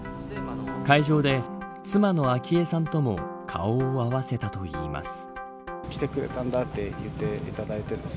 会場で妻の昭恵さんとも顔を合わせたといいます。